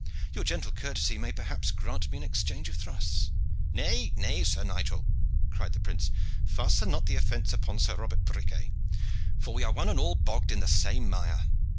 Your gentle courtesy may perhaps grant me an exchange of thrusts." "Nay, nay, Sir Nigel," cried the prince, "fasten not the offence upon Sir Robert Briquet, for we are one and all bogged in the same mire.